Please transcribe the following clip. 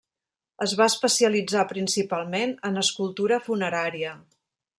Es va especialitzar principalment en escultura funerària.